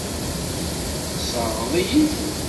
Tessṛeɣ-iyi-t.